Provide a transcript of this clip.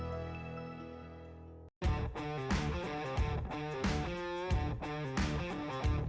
ini celana ini kepadaémoni itu dua lay brook